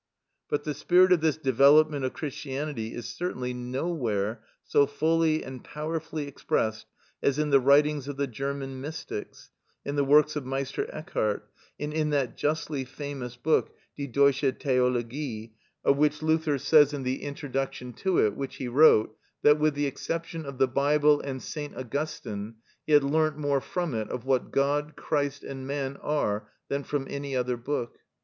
But the spirit of this development of Christianity is certainly nowhere so fully and powerfully expressed as in the writings of the German mystics, in the works of Meister Eckhard, and in that justly famous book "Die Deutsche Theologie," of which Luther says in the introduction to it which he wrote, that with the exception of the Bible and St. Augustine, he had learnt more from it of what God, Christ, and man are than from any other book.